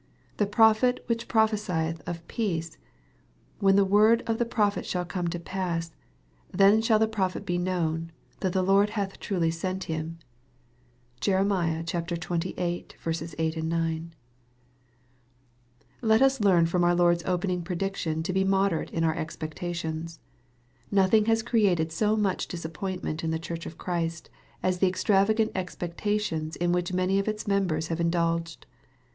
The prophet which prophe sieth of peace, when the word of the prophet shall come to pass, then shall the prophet be known, that the Lord hath truly sent him." (Jer. xxviii. 8, 9.) Let us learn from our Lord's opening prediction to be moderate in our expectations. Nothing has created so much disappointment in the Church of Christ, as the extravagant expectations in which many of its members have indulged.